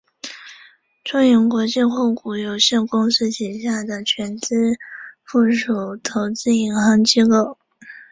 中银国际控股有限公司旗下的全资附属投资银行机构。